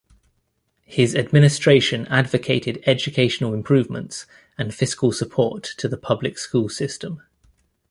His administration advocated educational improvements and fiscal support to the public school system.